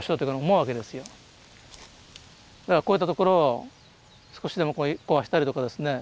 だからこういった所を少しでも壊したりとかですね